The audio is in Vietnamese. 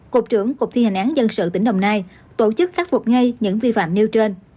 cục trưởng cục thi hành án dân sự tỉnh đồng nai tổ chức khắc phục ngay những vi phạm nêu trên